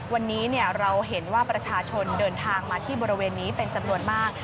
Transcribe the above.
วันนี้เราเห็นว่าประชาชนเดินทางมาที่บริเวณนี้เป็นจำนวนมาก